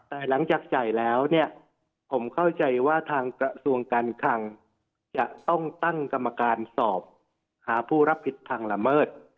แต่หลังจากจ่ายแล้วเนี่ยผมเข้าใจว่าทางกระทรวงการคังจะต้องตั้งกรรมการสอบหาผู้รับผิดทางละเมิด